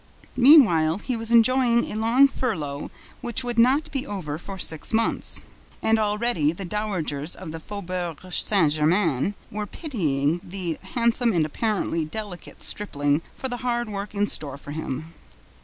Meanwhile, he was enjoying a long furlough which would not be over for six months; and already the dowagers of the Faubourg Saint Germain were pitying the handsome and apparently delicate stripling for the hard work in store for him.